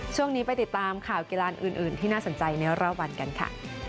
ช่วงนี้ไปติดตามข่าวกีฬานอื่นที่น่าสนใจในรอบวันกันค่ะ